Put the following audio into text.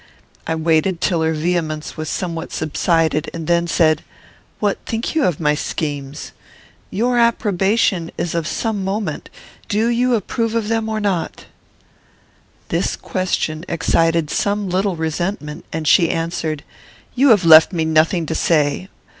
I waited till her vehemence was somewhat subsided, and then said, "What think you of my schemes? Your approbation is of some moment: do you approve of them or not?" This question excited some little resentment, and she answered, "You have left me nothing to say.